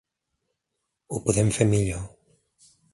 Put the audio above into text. Ho podem fer millor.